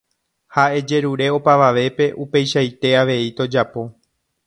Ha ejerure opavavépe upeichaite avei tojapo.